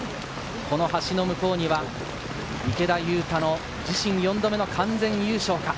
この橋の向こうには池田勇太の自身４度目の完全優勝か。